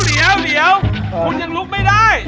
พุทธยังลุกไม่ได้